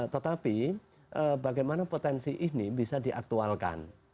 tetapi bagaimana potensi ini bisa diaktualkan